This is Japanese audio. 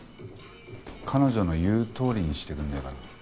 彼女の言うとおりにしてくんねえかな。